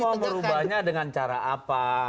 mau merubahnya dengan cara apa